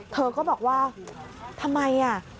เธอก็บอกว่าทำไมอ่ะ